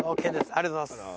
ありがとうございます。